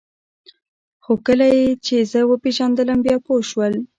خو کله یې چې زه وپېژندلم بیا پوه شول